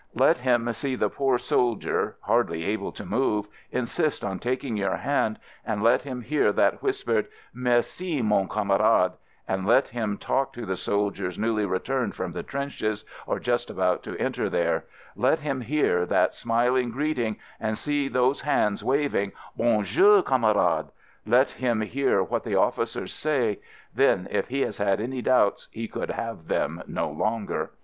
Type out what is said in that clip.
Let him see the poor soldier, hardly able to move, in sist on taking your hand, and let him hear that whispered "Merci, mon camarade" — let him talk to the soldiers newly re turned from the trenches or just about to enter there — let him hear that smiling greeting and see those hands waving, "Bon jour, camarade" — let him hear what the officers say — then, if he has had any doubts he could have them no longer.